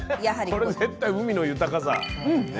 これ絶対「海の豊かさ」ね。